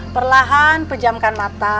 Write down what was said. perlahan pejamkan mata